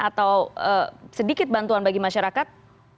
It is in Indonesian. atau sedikit bantuan bagi masyarakat